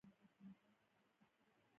د افغاني میوو برنډ باید وپیژندل شي.